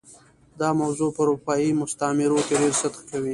دا موضوع په اروپايي مستعمرو کې ډېر صدق کوي.